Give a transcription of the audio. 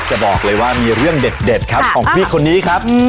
จะบอกเลยว่ามีเรื่องเด็ดครับของพี่คนนี้ครับ